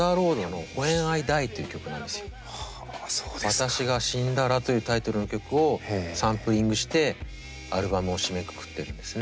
私が死んだらというタイトルの曲をサンプリングしてアルバムを締めくくってるんですね。